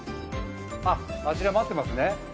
あちら、待っていますね。